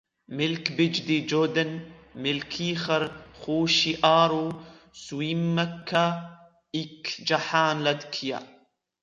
مِلك بِجدي جودن مِلكيخر خوشِ آرو سٌويمْكَ اِك جحان لدكيا